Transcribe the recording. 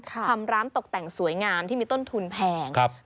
ทำร้านตกแต่งสวยงามที่มีต้นทุนแพง